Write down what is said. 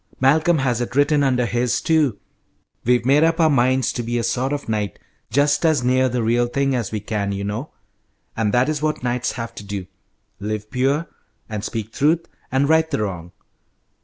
"Malcolm has it written under his, too. We've made up our minds to be a sort of knight, just as near the real thing as we can, you know, and that is what knights have to do: live pure, and speak truth, and right the wrong.